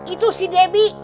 itu si debbie